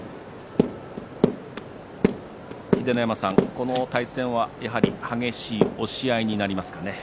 秀ノ山さん、この対戦は、やはり激しい押し合いになりますかね。